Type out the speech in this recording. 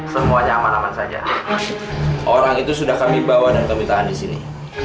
semuanya aman aman saja orang itu sudah kami bawa dan kami tahan di sini